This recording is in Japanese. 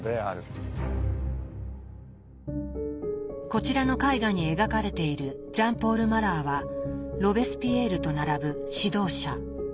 こちらの絵画に描かれているジャン・ポール・マラーはロベスピエールと並ぶ指導者。